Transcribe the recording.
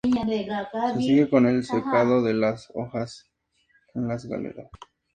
Se sigue con el secado de las hojas en las galeras.